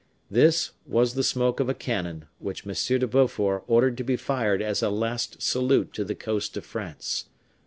This was the smoke of a cannon, which M. de Beaufort ordered to be fired as a last salute to the coast of France.